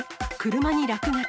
車に落書き。